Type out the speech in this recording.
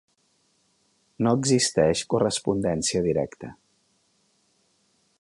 No existeix correspondència directa.